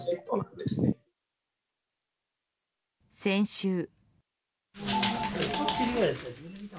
先週。